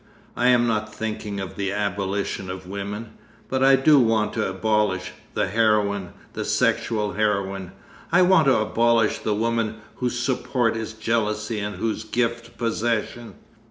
I am not thinking of the abolition of woman. But I do want to abolish—the heroine, the sexual heroine. I want to abolish the woman whose support is jealousy and whose gift possession.